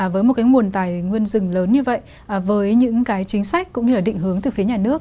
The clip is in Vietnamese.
với một nguồn tài nguyên rừng lớn như vậy với những chính sách cũng như định hướng từ phía nhà nước